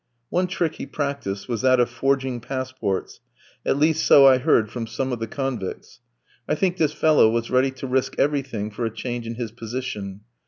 One trick he practised was that of forging passports, at least so I heard from some of the convicts. I think this fellow was ready to risk everything for a change in his position.